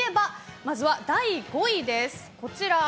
まずは第５位です。